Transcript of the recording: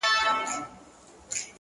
گوره زما گراني زما د ژوند شاعري!!